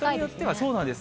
そうなんです。